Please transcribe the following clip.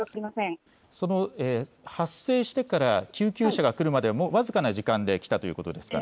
発生してから救急車が来るまでは僅かの時間で来たということですか。